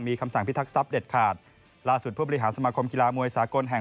มีคำสั่งพิทักษัพเด็ดขาดล่าสุดผู้บริหารสมาคมกีฬามวยสากลแห่ง